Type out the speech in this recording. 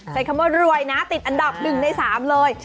ใช้คำว่ารวยนะติดอันดับหนึ่งในสามเลย